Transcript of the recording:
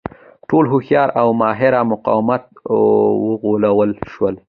ټول هوښیار او ماهر مقامات وغولول شول.